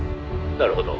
「なるほど。